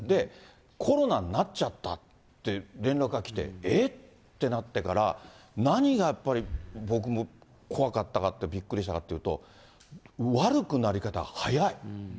コロナになっちゃったって連絡がきて、えっ？ってなってから、何がやっぱり僕も怖かったかって、びっくりしたかっていうと、悪くなり方、速い。